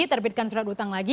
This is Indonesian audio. terbitkan surat utang lagi